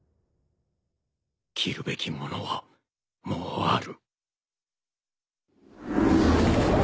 斬るべきものはもうある。